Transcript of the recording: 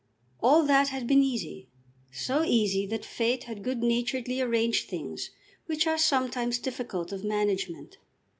All that had been easy, so easy that fate had good naturedly arranged things which are sometimes difficult of management.